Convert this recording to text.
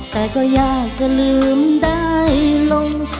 แต่ก็อยากจะลืมได้ลง